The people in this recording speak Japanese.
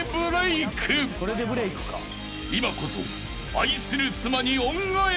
［今こそ］